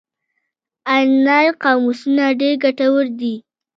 آنلاین قاموسونه ډېر ګټور دي.